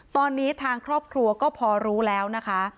ตอนนี้ทางครอบครัวก็พอรู้แล้วนะคะ